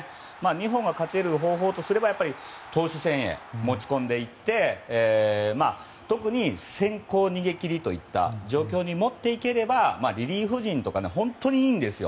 日本が勝てる方法とすれば投手戦へ持ち込んでいって特に先行逃げ切りといった状況に持っていければリリーフ陣とか本当にいいんですよ。